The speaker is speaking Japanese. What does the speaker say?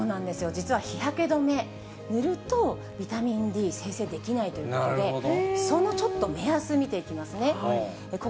実は日焼け止め、塗ると、ビタミンＤ生成できないということで、そのちょっと目安、見ていきますね。